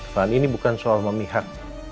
hal ini bukan soal memihak